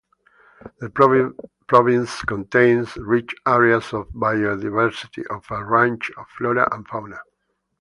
The province contains rich areas of biodiversity of a range of flora and fauna.